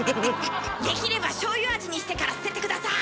できればしょうゆ味にしてから捨てて下さい。